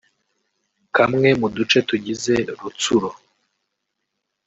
kamwe mu duce tugize Rutshuro